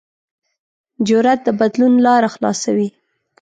جرأت د بدلون لاره خلاصوي.